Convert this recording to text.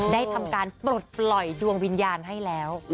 ได้ทำการปลดปล่อยดวงวิญญาณให้แล้ว